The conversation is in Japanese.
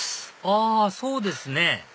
あそうですね